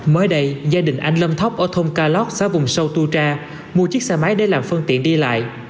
mới đây gia đình anh lâm thóc ở thôn ca lót xã vùng sâu tu tre mua chiếc xe máy để làm phương tiện đi lại